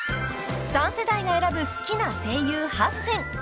［３世代が選ぶ好きな声優８選］